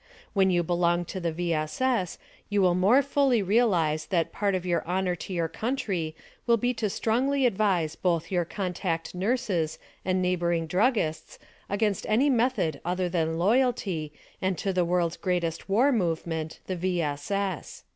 When you belong to the V. S. S. you will more fully realize that part of your honor to 3^our country will be to strongly advise both your contact nurses and neighboring druggists against any method other than loyalty and to the world's greatest war movement, the V. S. S.